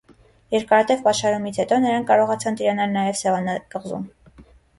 Երկարատև պաշարումից հետո նրանք կարողացան տիրանալ նաև Սևանա կղզուն։